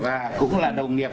và cũng là đồng nghiệp